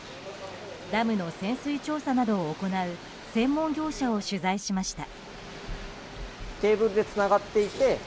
ダムの潜水調査などを行う専門業者を取材しました。